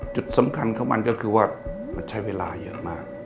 จุดสำคัญของมันก็คือว่ามันใช้เวลาเยอะมาก